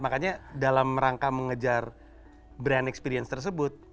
makanya dalam rangka mengejar brand experience tersebut